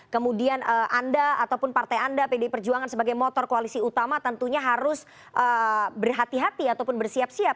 kemudian anda ataupun partai anda pdi perjuangan sebagai motor koalisi utama tentunya harus berhati hati ataupun bersiap siap